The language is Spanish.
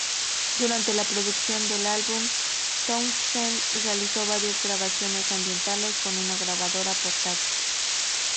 Durante la producción del álbum, Townshend realizó varias grabaciones ambientales con una grabadora portátil.